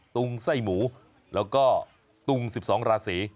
ตุงไส้หมูแล้วก็ตุง๑๒ราศี